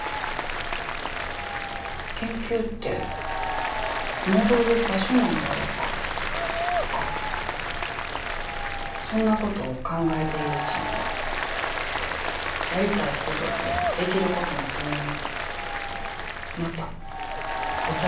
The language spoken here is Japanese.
研究って戻る場所なんだろうかとかそんなことを考えているうちにやりたいこととできることの問いにまた答えを出せなくなってしまって。